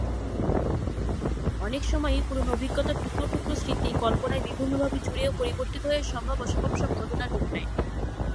অনেক সময়ই পুরনো অভিজ্ঞতার টুকরো টুকরো স্মৃতি কল্পনায় বিভিন্নভাবে জুড়ে ও পরিবর্তিত হয়ে সম্ভব অসম্ভব সব ঘটনার রূপ নেয়।